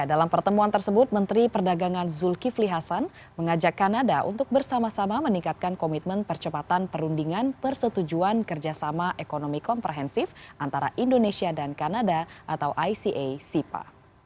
dalam pertemuan tersebut menteri perdagangan zulkifli hasan mengajak kanada untuk bersama sama meningkatkan komitmen percepatan perundingan persetujuan kerjasama ekonomi komprehensif antara indonesia dan kanada atau ica sipa